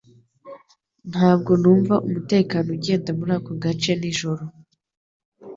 Ntabwo numva umutekano ugenda muri ako gace nijoro.